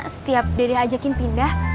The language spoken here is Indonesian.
setiap dedek ajakin pindah